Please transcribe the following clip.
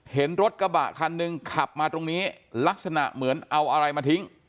เห็นรถกระบะคันหนึ่งขับมาตรงนี้ลักษณะเหมือนเอาอะไรมาทิ้ง